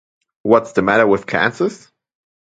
What's the Matter with Kansas?